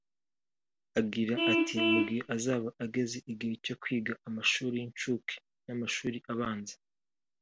Agira ati “Mu gihe azaba ageze igihe cyo kwiga amashuri y’inshuke n’amashuri abanza